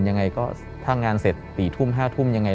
ยังไงก็ถ้างานเสร็จ๔ทุ่ม๕ทุ่มยังไง